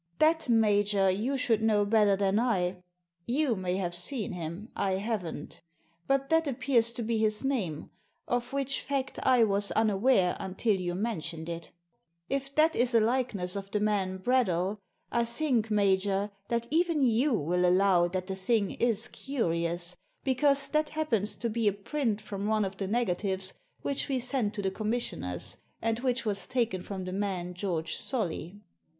*' •That, major, you should know better than I. You may have seen him, I haven't But that appears to be his name — of which fact I was unaware until you mentioned it If that is a likeness of the man Bradell, I think, major, that even you will allow that the thing is curious, because that happens to be a print from one of the negatives which we sent to the Commissioners, and which was taken from the man George Solly."